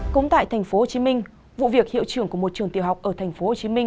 cũng tại thành phố hồ chí minh vụ việc hiệu trưởng của một trường tiểu học ở thành phố hồ chí minh